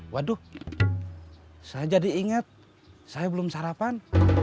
waduh saya jadi ingat saya belum sarapan